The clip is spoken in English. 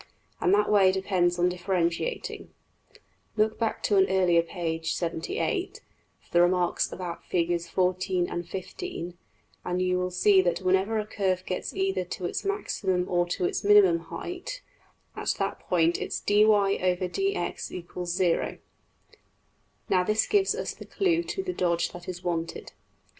And that way depends on differentiating. Look back to an earlier page~(\pageref{curve}) for the remarks about \Figs{and}, and you will see that whenever a curve gets either to its maximum or to its minimum height, at that point its $\dfrac{dy}{dx} = 0$. Now this gives us the clue to the dodge that is wanted.